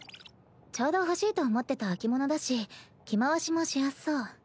ちょうど欲しいと思ってた秋物だし着回しもしやすそう。